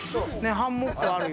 ハンモックがあるよ。